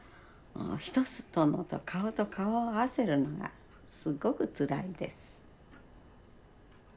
人様と顔と顔を合わせるのがすごくつらいです。